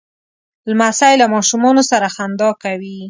لمسی له ماشومانو سره خندا کوي.